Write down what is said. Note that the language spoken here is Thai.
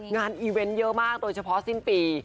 อีเวนต์เยอะมากโดยเฉพาะสิ้นปี